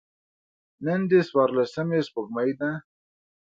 نن د څوارلسمي سپوږمۍ ده.